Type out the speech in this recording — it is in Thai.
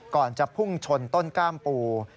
ก่อนจะพุ่งชนต้นกล้ามปู